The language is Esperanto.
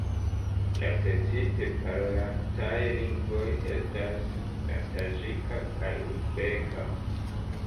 La precipe parolataj lingvoj estas la taĝika kaj uzbeka.